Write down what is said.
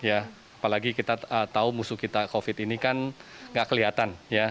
apalagi kita tahu musuh kita covid ini kan gak kelihatan